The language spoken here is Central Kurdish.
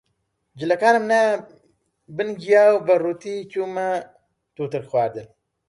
جلەکانم نایە بن گیا و بە ڕووتی چوومە تووتڕک خواردن